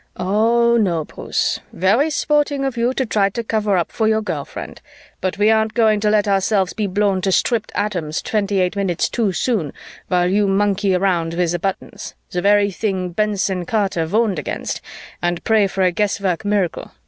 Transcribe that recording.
"Oh, no, Bruce. Very sporting of you to try to cover up for your girl friend, but we aren't going to let ourselves be blown to stripped atoms twenty eight minutes too soon while you monkey with the buttons, the very thing Benson Carter warned against, and pray for a guesswork miracle.